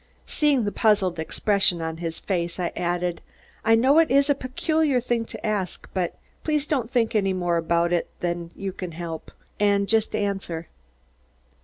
Seeing the puzzled expression on his face, I added: "I know it is a peculiar thing to ask, but please don't think any more about it than you can help, and just answer."